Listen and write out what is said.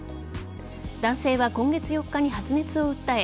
男性は今月４日に発熱を訴え